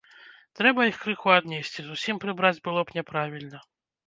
Трэба іх крыху аднесці, зусім прыбраць было б няправільна.